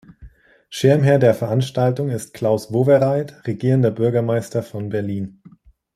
Schirmherr der Veranstaltung ist Klaus Wowereit, regierender Bürgermeister von Berlin.